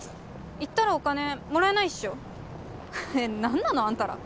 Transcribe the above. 行ったらお金もらえないっしょ？ははっえっ何なのあんたら。